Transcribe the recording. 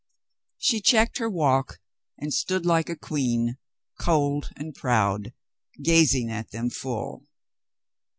She checked her walk and stood like a queen, cold and proud, gazing at them full.